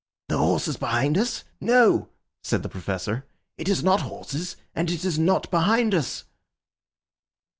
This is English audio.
"The horses behind us! No," said the Professor, "it is not horses, and it is not behind us."